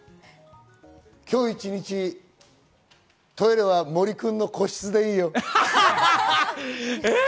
今日一日、トイレは森くんの個室でいいよ。